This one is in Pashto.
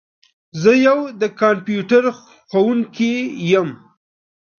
زه یو د کمپیوټر ښوونکي یم.